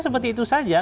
seperti itu saja